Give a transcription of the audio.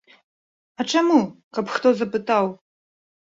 А чаму, каб хто запытаў?